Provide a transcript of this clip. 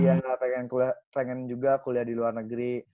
iya pengen juga kuliah di luar negeri